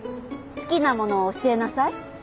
好きなものを教えなさい。